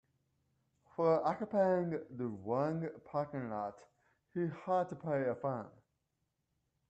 For occupying the wrong parking lot he had to pay a fine.